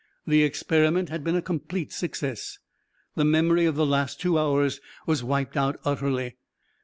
The experiment had been a complete success. The memory of the last two hours was wiped out utterly.